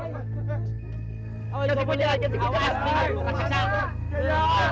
jadi babi lagi